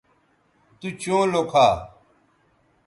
تو چوں لوکھا